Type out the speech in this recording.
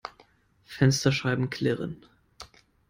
Fensterscheiben klirren.